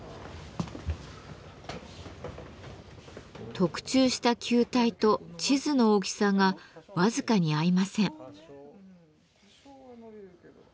特注した球体と地図の大きさが僅かに合いません。